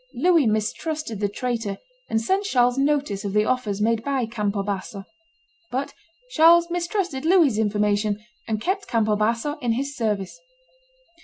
Louis mistrusted the traitor, and sent Charles notice of the offers made by Campo Basso. But Charles mistrusted Louis's information, and kept Campo Basso in his service.